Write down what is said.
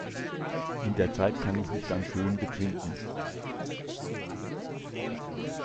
In der Zeit kann ich mich dann schön betrinken.